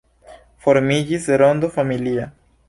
Formiĝis rondo familia.